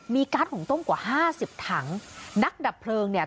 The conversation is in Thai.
การ์ดหงต้มกว่าห้าสิบถังนักดับเพลิงเนี่ย